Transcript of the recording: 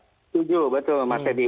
tujuh betul mas ferdie